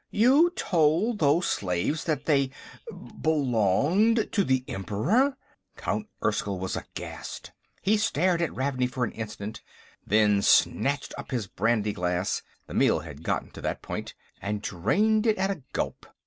"You told those slaves that they ... belonged ... to the Emperor?" Count Erskyll was aghast. He stared at Ravney for an instant, then snatched up his brandy glass the meal had gotten to that point and drained it at a gulp.